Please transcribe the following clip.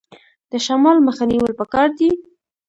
د شمال مخه نیول پکار دي؟